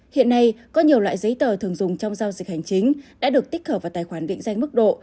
hiện nay có nhiều loại giấy tờ thường dùng trong giao dịch hành chính đã được tích hợp vào tài khoản định danh mức độ